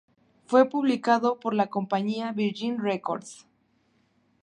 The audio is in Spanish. Fue publicado por la compañía "Virgin Records".